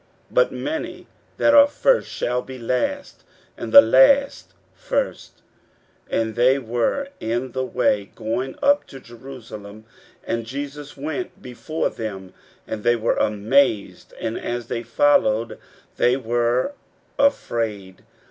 41:010:031 But many that are first shall be last; and the last first. 41:010:032 And they were in the way going up to Jerusalem; and Jesus went before them: and they were amazed; and as they followed, they were afraid.